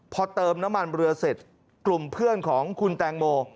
พอเติมน้ำมันเรือเสร็จกลุ่มเพื่อนของคุณแตงโม